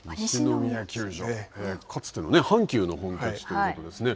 かつての阪急の本拠地ということですね。